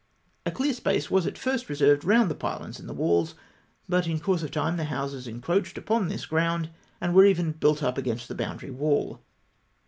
A clear space was at first reserved round the pylons and the walls; but in course of time the houses encroached upon this ground, and were even built up against the boundary wall.